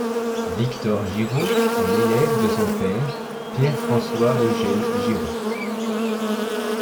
Victor Giraud est l'élève de son père, Pierre François Eugène Giraud.